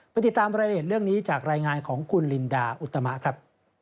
ติดตามรายละเอียดเรื่องนี้จากรายงานของคุณลินดาอุตมะครับ